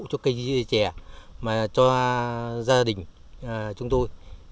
cho cây cây trẻ cho gia đình chúng tôi